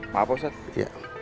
maaf pak ustaz